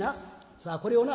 さあこれをな